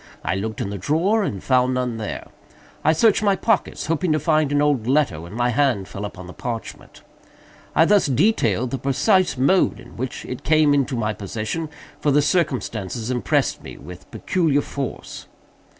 I looked in the drawer, and found none there. I searched my pockets, hoping to find an old letter, when my hand fell upon the parchment. I thus detail the precise mode in which it came into my possession; for the circumstances impressed me with peculiar force.